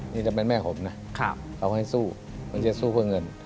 นี่จะเป็นแม่ผมนะเขาให้สู้มันจะสู้เพื่อเงิน